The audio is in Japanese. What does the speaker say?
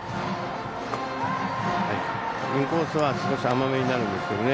インコースは少し甘めになるんですけどね。